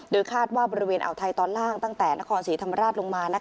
คาดว่าบริเวณอ่าวไทยตอนล่างตั้งแต่นครศรีธรรมราชลงมา